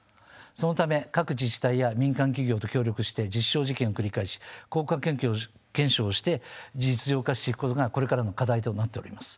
そのため各自治体や民間企業と協力して実証実験を繰り返し効果検証をして実用化していくことがこれからの課題となっております。